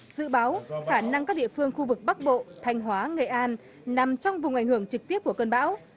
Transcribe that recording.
dự báo khả năng các địa phương khu vực bắc bộ thanh hóa nghệ an nằm trong vùng ảnh hưởng trực tiếp của cơn bão